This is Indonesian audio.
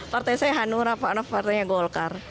partai saya hanura pak nof partainya golkar